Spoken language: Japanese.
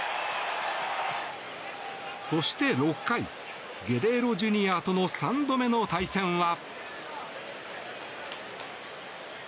そして、６回ゲレーロＪｒ．との３度目の対戦は。